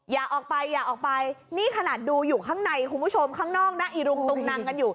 อย่าออกไปอย่าออกไปนี่ขนาดดูอยู่ข้างในคุณผู้ชมข้างนอกนะ